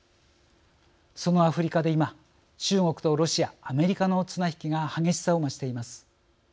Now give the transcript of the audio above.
そのアフリカで今中国とロシア、アメリカの綱引きが激しさを増しています。